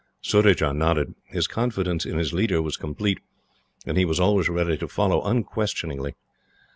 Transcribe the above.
Surajah nodded. His confidence in his leader was complete, and he was always ready to follow unquestioningly.